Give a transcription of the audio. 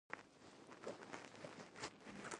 خدیجې دده پوهه او امانت داري ولیده.